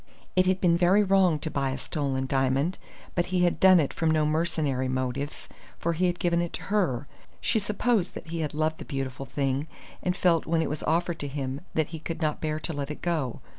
It had been very wrong to buy a stolen diamond, but he had done it from no mercenary motives, for he had given it to her. She supposed that he had loved the beautiful thing, and felt when it was offered to him that he could not bear to let it go....